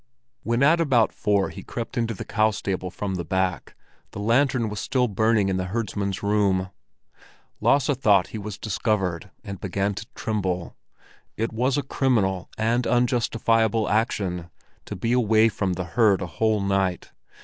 When at about four he crept into the cow stable from the back, the lantern was still burning in the herdsman's room. Lasse thought he was discovered, and began to tremble; it was a criminal and unjustifiable action to be away from the herd a whole night.